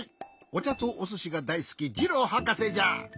おちゃとおすしがだいすきジローはかせじゃ。